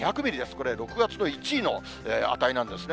これ、６月の１位の値なんですね。